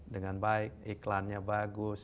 dengan baik iklannya bagus